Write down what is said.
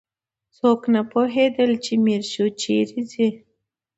چا نه پوهېدل چې میرشو چیرې ځي.